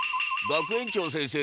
学園長先生！